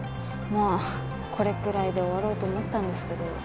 まあこれくらいで終わろうと思ったんですけど。